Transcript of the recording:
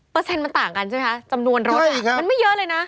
เปอร์เซ็นต์มันต่างกันใช่ไหมครับจำนวนรถมันไม่เยอะเลยนะ